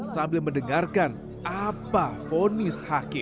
sambil mendengarkan apa ponis hakim